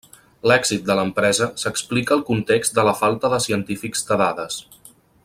L'èxit de l'empresa s'explica al context de la falta de científics de dades.